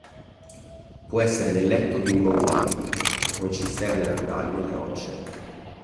Può essere nel letto di uno uadi, o in cisterne naturali nelle rocce.